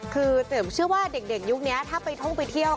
คือเชื่อว่าเด็กยุคนี้ถ้าไปท่องไปเที่ยว